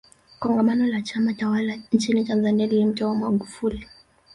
kongamano la chama tawala nchini tanzania lilimteua magufuli